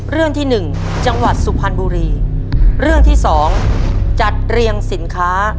เรื่องที่หนึ่งจังหวัดสุพรรณบุรีเรื่องที่สองจัดเรียงสินค้า